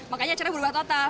makanya acara berubah total